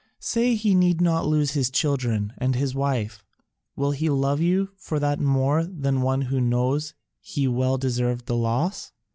Say he need not lose his children and his wife, will he love you for that more than one who knows he well deserved the loss?